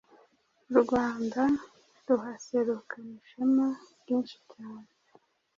U Rwanda ruhaserukana ishema ryinshi cyane.